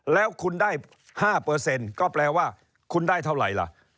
แล้วคุณได้๕เปอร์เซ็นต์ก็แปลว่าคุณได้เท่าไหร่ล่ะ